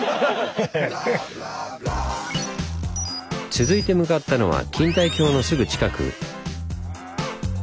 続いて向かったのは錦帯橋のすぐ近く。